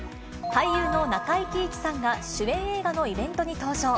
俳優の中井貴一さんが主演映画のイベントに登場。